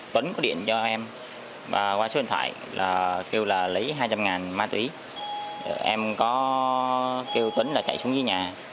tấn có điện cho em qua số điện thoại kêu lấy hai trăm linh ma túy em kêu tấn chạy xuống dưới nhà